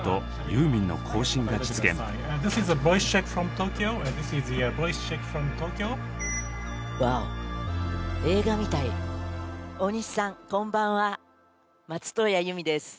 由実さんこんばんは。